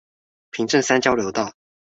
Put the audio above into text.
平鎮三交流道